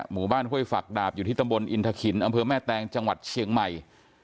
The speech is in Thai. หมู่บ้านห้วยฝักดาบอยู่ที่ตำบลอินทะขินอำเภอแม่แตงจังหวัดเชียงใหม่